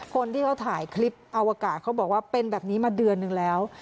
คนที่เขาถ่ายคลิปอวกาศเขาบอกว่าเป็นแบบนี้มาเดือนนึงแล้ว